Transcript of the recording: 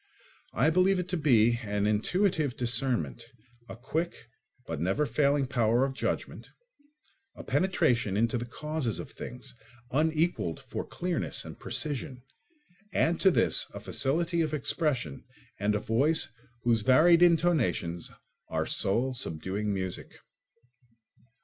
I believe it to be an intuitive discernment, a quick but never failing power of judgment, a penetration into the causes of things, unequalled for clearness and precision; add to this a facility of expression and a voice whose varied intonations are soul subduing music.